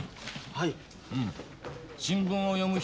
はい。